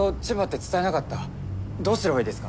どうすればいいですか？